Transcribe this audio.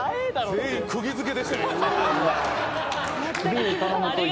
「全員釘付けでしたよ今」